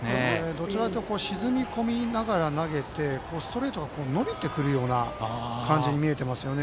どちらかというと沈み込みながら投げてストレートが伸びてくるような感じに見えていますね。